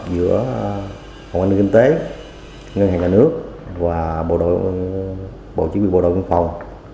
giữa hồng anh đức yên tế ngân hàng đà nước và bộ chính quyền bộ đội văn phòng